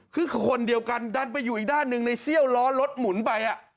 คือคนเดียวกันดันไปอยู่อีกด้านหนึ่งในเซี่ยวล้อรถหมุนไป